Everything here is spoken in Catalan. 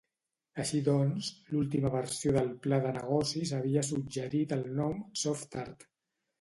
Així doncs, l'última versió del pla de negocis havia suggerit el nom "SoftArt".